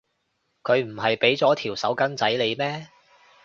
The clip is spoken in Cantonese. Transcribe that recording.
佢唔係畀咗條手巾仔你咩？